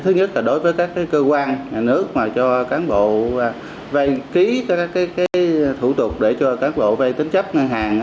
thứ nhất là đối với các cơ quan nhà nước mà cho cán bộ vay ký các thủ tục để cho cán bộ vay tính chấp ngân hàng